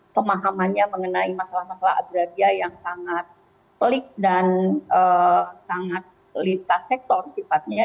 pemahamannya mengenai masalah masalah agraria yang sangat pelik dan sangat lintas sektor sifatnya ya